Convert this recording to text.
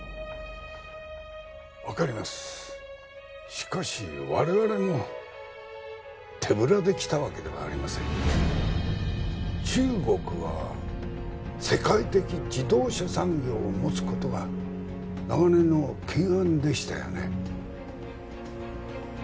しかし我々も手ぶらで来たわけではありません中国は世界的自動車産業を持つことが長年の懸案でしたよね？